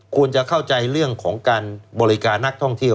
ควรจะเข้าใจเรื่องของการบริการนักท่องเที่ยว